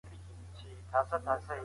په افغانستان کې کلتور د هر قوم نښه ده.